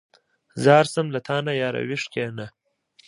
ځار شم له تانه ياره ویښ کېنه.